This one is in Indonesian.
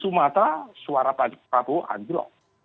sumata suara pak prabowo androk